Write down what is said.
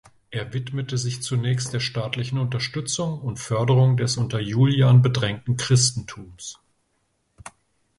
Er widmete sich zunächst der staatlichen Unterstützung und Förderung des unter Julian bedrängten Christentums.